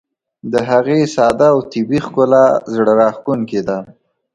د هغې ساده او طبیعي ښکلا زړه راښکونکې ده.